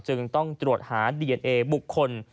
จึงต้องตรวจหาดีเอนเอบุคคล